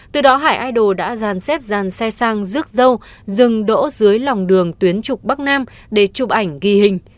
từ đó hải idol đã giàn xếp dàn xe sang rước dâu dừng đỗ dưới lòng đường tuyến trục bắc nam để chụp ảnh ghi hình